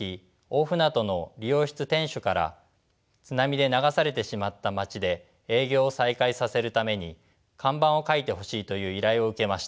大船渡の理容室店主から津波で流されてしまった街で営業を再開させるために看板を描いてほしいという依頼を受けました。